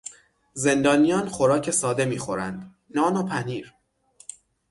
زندانیان خوراک ساده میخوردند: نان و پنیر